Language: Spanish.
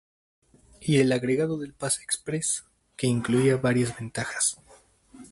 Y el agregado del "Pase Express" que incluía varias ventajas.